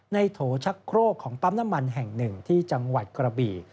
โถชักโครกของปั๊มน้ำมันแห่งหนึ่งที่จังหวัดกระบี่